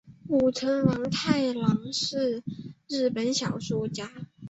舞城王太郎是日本的小说家。